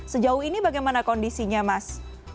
sejauh ini bagaimana kondisinya mas